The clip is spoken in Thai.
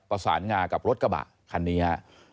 ประสานงากับรถกระบะคันนี้ฮะ